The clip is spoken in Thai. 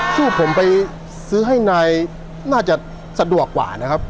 สู้ผมไปซื้อให้นายน่าจะสะดวกกว่านะครับ